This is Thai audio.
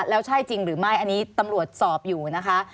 แล้วใช่จริงหรือไม่อันนี้ตำรวจสอบอยู่นะคะ